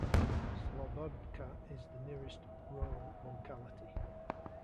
Slobodka is the nearest rural locality.